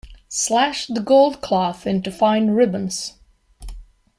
Slash the gold cloth into fine ribbons.